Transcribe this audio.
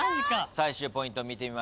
最終ポイント見てみましょう。